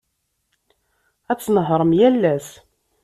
Ad tnehhṛem yal ass.